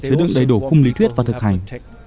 chứa đựng đầy đủ khung lý thuyết và thực hành